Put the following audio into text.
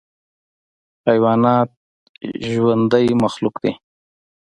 حیوانات ژوندی مخلوق دی.